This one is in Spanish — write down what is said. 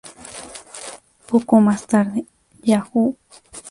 Poco más tarde, "Yahoo!